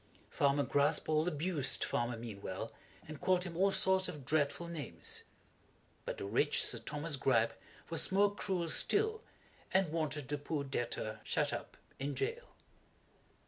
Farmer Graspall abused Farmer Meanwell and called him all sorts of dreadful names; but the rich Sir Thomas Gripe was more cruel still, and wanted the poor debtor shut up in jail.